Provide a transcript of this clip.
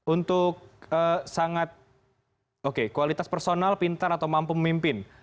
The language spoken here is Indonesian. untuk sangat oke kualitas personal pintar atau mampu memimpin